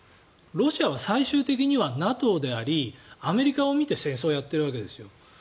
ロシアは最終的にはＮＡＴＯでありアメリカを見て戦争をやっているわけです。